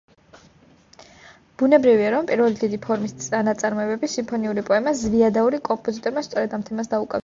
ბუნებრივია, რომ პირველი დიდი ფორმის ნაწარმოები, სიმფონიური პოემა „ზვიადაური“ კომპოზიტორმა სწორედ ამ თემას დაუკავშირა.